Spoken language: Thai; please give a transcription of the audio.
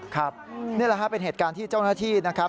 ครับนี่แหละฮะเป็นเหตุการณ์ที่เจ้าหน้าที่นะครับ